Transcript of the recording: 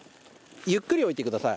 ゆっくり置いてください。